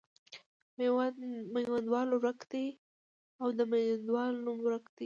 میوندوال ورک دی او د میوندوال نوم ورک دی.